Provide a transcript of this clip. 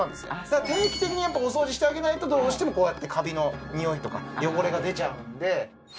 だから定期的にお掃除してあげないとどうしてもこうやってカビのにおいとか汚れが出ちゃうので。